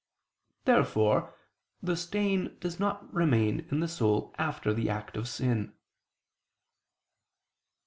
Therefore the stain does not remain in the soul after the act of sin.